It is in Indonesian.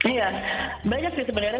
iya banyak sih sebenarnya